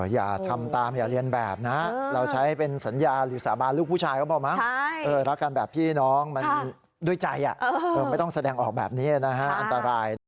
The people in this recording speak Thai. อย่าทำตามอย่าเรียนแบบนะ